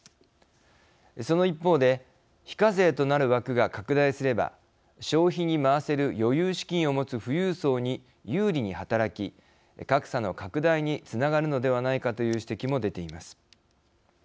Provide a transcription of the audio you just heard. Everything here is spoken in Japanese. その一方で非課税となる枠が拡大すれば投資に回せる余裕資金を持つ富裕層に有利に働き格差の拡大につながるのではないかという指摘も出ています。